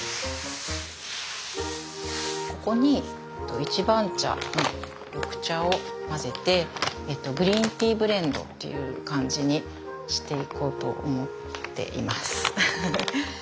ここに一番茶の緑茶を混ぜてグリーンティーブレンドっていう感じにしていこうと思っています。